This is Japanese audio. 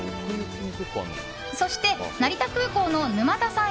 そして、成田空港の沼田さん